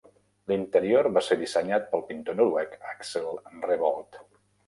L'interior va ser dissenyat pel pintor noruec Axel Revold.